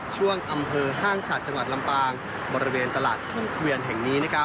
ช่วงอำเภอห้างฉัดจังหวัดลำปางบริเวณตลาดขุนเกวียนแห่งนี้